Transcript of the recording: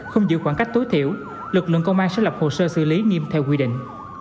sử dụng đồn sử dụng đồn sử dụng đồn sử dụng đồn sử dụng đồn sử dụng đồn sử dụng đồn sử dụng đồn